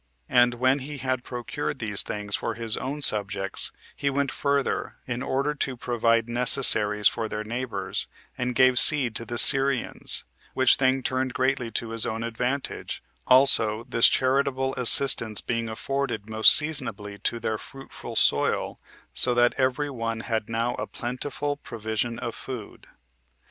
And when he had procured these things for his own subjects, he went further, in order to provide necessaries for their neighbors, and gave seed to the Syrians, which thing turned greatly to his own advantage also, this charitable assistance being afforded most seasonably to their fruitful soil, so that every one had now a plentiful provision of food.